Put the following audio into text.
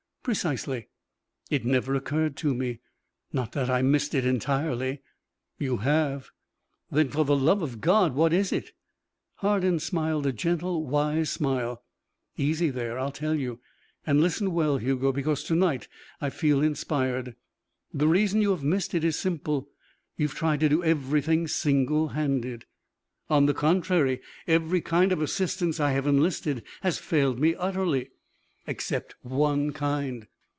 "Precisely." "It never occurred to me. Not that I had missed it entirely." "You have." "Then, for the love of God, what is it?" Hardin smiled a gentle, wise smile. "Easy there. I'll tell you. And listen well, Hugo, because to night I feel inspired. The reason you have missed it is simple. You've tried to do everything single handed " "On the contrary. Every kind of assistance I have enlisted has failed me utterly." "Except one kind."